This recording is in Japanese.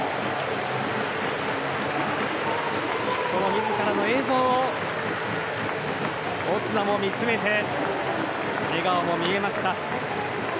自らの映像をオスナも見つめて笑顔も見えました。